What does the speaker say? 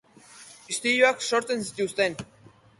Istiluak sortu zituzten.